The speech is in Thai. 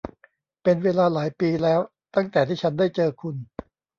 เป็นเวลาหลายปีแล้วตั้งแต่ที่ฉันได้เจอคุณ !